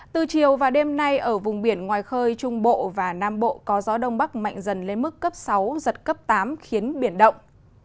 từ chiều và đêm nay ở vùng biển ngoài khơi trung bộ và nam bộ có gió đông bắc mạnh dần lên mức cấp sáu giật cấp tám khiến biển động